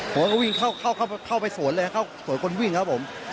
ผมก็วิ่งเข้าไปสวนเลยเข้าสวนคนวิ่งครับผม